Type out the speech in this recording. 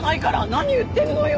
何言ってんのよ。